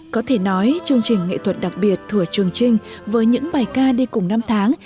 có thể nói chương trình nghệ thuật đặc biệt thủa trường trinh với những bài ca đi cùng năm tháng